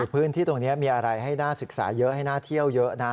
พื้นที่ตรงนี้มีอะไรให้น่าศึกษาเยอะให้น่าเที่ยวเยอะนะ